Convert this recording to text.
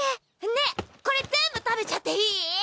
ねえこれ全部食べちゃっていい？